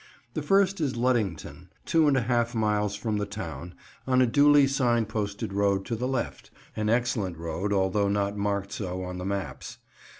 The first is Luddington, two and a half miles from the town, on a duly sign posted road to the left, an excellent road, although not marked so on the maps.